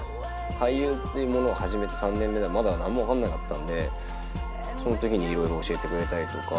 俳優っていうものを始めて３年ぐらいで、まだ何も分からなかったので、そのときにいろいろ教えてくれたりとか。